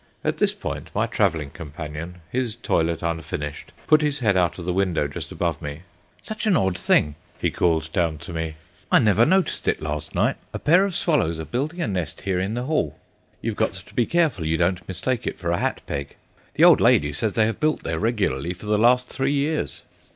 At this point my travelling companion, his toilet unfinished, put his head out of the window just above me. "Such an odd thing," he called down to me. "I never noticed it last night. A pair of swallows are building a nest here in the hall. You've got to be careful you don't mistake it for a hat peg. The old lady says they have built there regularly for the last three years."